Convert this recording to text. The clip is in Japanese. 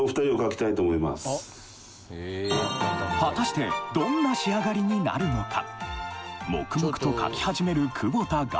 はたしてどんな仕上がりになるのか？